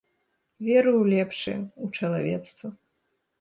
Веру ў лепшае, у чалавецтва.